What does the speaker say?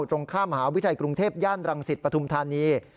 ตรงข้ามมหาวิทยาลัยกรุงเทพย่านรังสิตปฐุมธานี